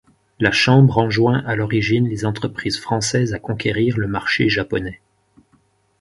La chambre enjoint à l'origine les entreprises françaises à conquérir le marché japonais.